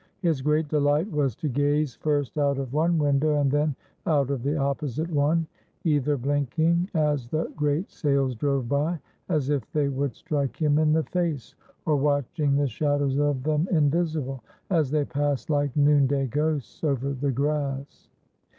His great delight was to gaze first out of one window, and then out of the opposite one; either blinking as the great sails drove by, as if they would strike him in the face, or watching the shadows of them invisible, as they passed like noon day ghosts over the grass.